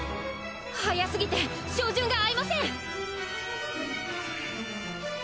速すぎて照準が合いません。